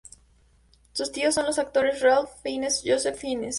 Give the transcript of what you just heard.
Sus tíos son los actores Ralph Fiennes y Joseph Fiennes.